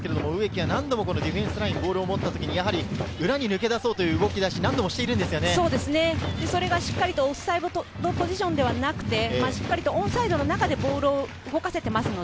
植木は何度もディフェンスライン、ボールを持った時に裏に抜け出そうという動き出しを何オフサイドポジションではなくて、オンサイドの中でボールを動かせています。